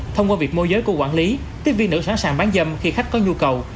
thông qua việc môi giới của quản lý tiếp viên nữ sẵn sàng bán dâm khi khách có nhu cầu